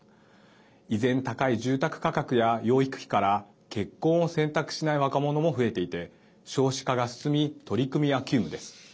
依然高い住宅価格や養育費から結婚を選択しない若者も増えていて少子化が進み取り組みは急務です。